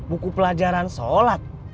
buku pelajaran sholat